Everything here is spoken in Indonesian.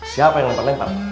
siapa yang lempar lempar